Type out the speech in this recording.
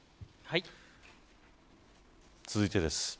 続いてです。